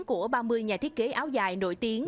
của ba mươi nhà thiết kế áo dài nổi tiếng